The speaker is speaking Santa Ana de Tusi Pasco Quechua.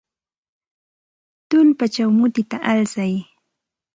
Tullpachaw mutita alsay.